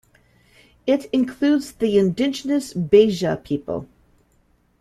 It includes the indigenous Beja people.